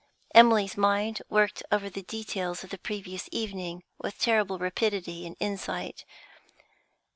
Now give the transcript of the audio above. Emily's mind worked over the details of the previous evening with terrible rapidity and insight.